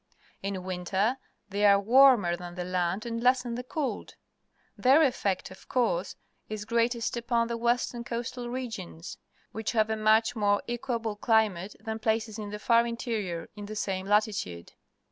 In winter they are warmer than the land and lessen the cold. Their effect, of course, is greatest upon the western coastal regions, which have a much more equable climate than places in the far interior in the same latitude.